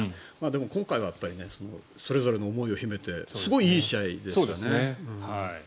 でも、今回はそれぞれの思いを秘めてすごいいい試合でしたね。